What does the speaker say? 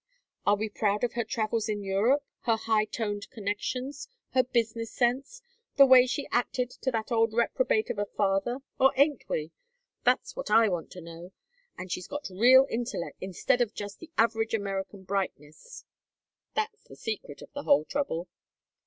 Are we proud of her travels in Europe, her high toned connections, her business sense, the way she acted to that old reprobate of a father, or ain't we? That's what I want to know. And she's got real intellect instead of just the average American brightness; that's the secret of the whole trouble.